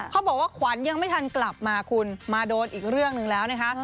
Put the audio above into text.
เขาบอกว่าขวัญยังไม่ทันกลับมาคุณมาโดนอีกเรื่องหนึ่งแล้วนะคะ